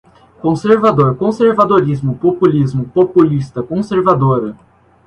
Conservador, conservadorismo, populismo, populista, conservadora